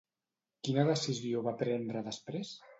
Quina decisió va prendre després?